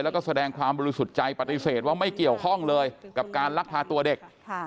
แล้วก็แสดงความบริสุทธิ์ใจปฏิเสธว่าไม่เกี่ยวข้องเลยกับการลักพาตัวเด็ก